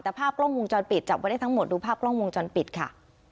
แต่ภาพกล้องวงจรปิดจับไว้ได้ทั้งหมดดูภาพกล้องวงจรปิดค่ะ